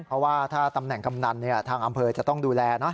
เพราะว่าถ้าตำแหน่งกำนันทางอำเภอจะต้องดูแลนะ